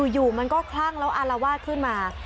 อยู่มันก็คลั่งแล้วอารวาสขึ้นมา